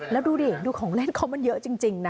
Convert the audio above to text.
แล้วดูดิดูของเล่นเขามันเยอะจริงนะ